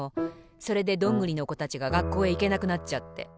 それでどんぐりのこたちががっこうへいけなくなっちゃって。